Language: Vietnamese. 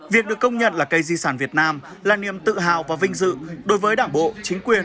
việc được công nhận là cây di sản việt nam là niềm tự hào và vinh dự đối với đảng bộ chính quyền